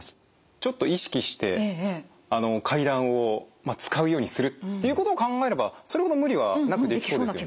ちょっと意識して階段を使うようにするっていうことを考えればそれほど無理はなくできそうですね。